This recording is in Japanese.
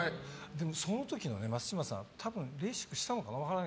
その時の松嶋さんレーシックしたのかな